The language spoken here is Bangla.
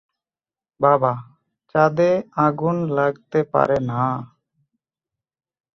বাবা, চাঁদে আগুন লাগতে পারে না।